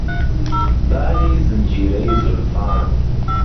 بانی زنجيرەی زولفان